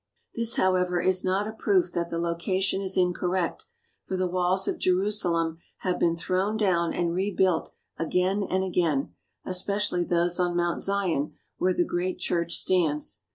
This, however, is not a proof that the location is incorrect, for the walls of Je rusalem have been thrown down and rebuilt again and again, especially those on Mount Zion where the great church stands.